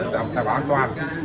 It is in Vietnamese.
thì đảm bảo an toàn